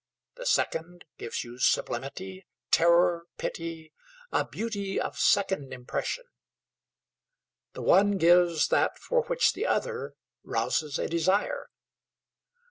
The second gives you sublimity, terror, pity, a beauty of second impression. The one gives that for which the other rouses a desire.